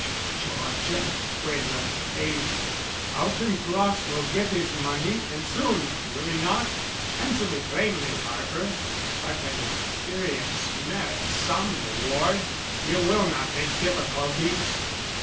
Georgian Quinlan Hazen. Auchincloss will get his money, and soon, will he not? Answer me plainly, Harper. Such an experience merits some reward. You will not make difficulties?"